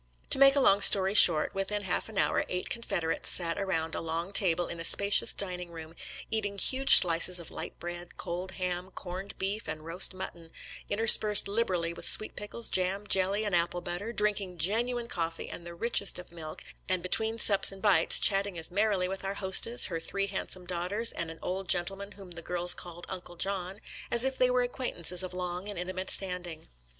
To make a long story short, within half an hour eight Confederates sat around a long table in a spacious dining room, eating huge slices of light bread, cold ham, corned beef, and roast mutton, interspersed liberally with sweet pick HOOD'S TBXANS IN PENNSYLVANIA 127 les, jam, jelly, and apple butter, drinking genu ine coffee and the richest of milk, and, between sups and bites, chatting as merrily with our hostess, her three handsome daughters, and an old gentleman whom the girls called "Uncle John," as if they were acquaintances of long and intimate standing.